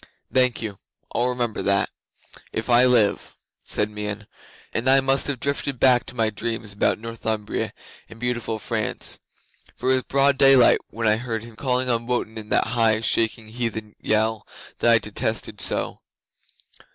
'"Thank you. I'll remember that, if I live," said Meon, and I must have drifted back to my dreams about Northumbria and beautiful France, for it was broad daylight when I heard him calling on Wotan in that high, shaking heathen yell that I detest so.